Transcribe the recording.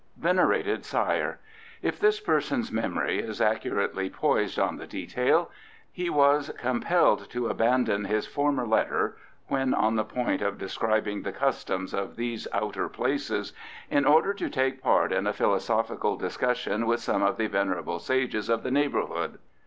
Venerated Sire, If this person's memory is accurately poised on the detail, he was compelled to abandon his former letter (when on the point of describing the customs of these outer places), in order to take part in a philosophical discussion with some of the venerable sages of the neighbourhood.